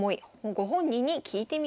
ご本人に聞いてみました。